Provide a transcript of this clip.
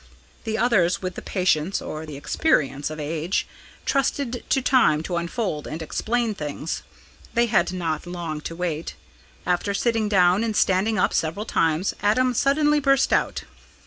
The others, with the patience or the experience of age, trusted to time to unfold and explain things. They had not long to wait. After sitting down and standing up several times, Adam suddenly burst out.